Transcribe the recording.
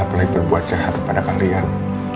apalagi berbuat jahat kepada kalian